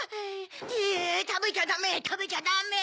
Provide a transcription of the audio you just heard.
いやたべちゃダメたべちゃダメ！